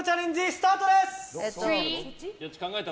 スタートです。